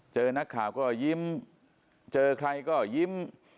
เจอนักข่าวก็ยิ้มเจอใครก็ยิ้ม